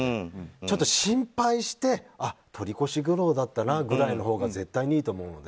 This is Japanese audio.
ちょっと心配して取り越し苦労だったなというくらいが絶対にいいと思うので。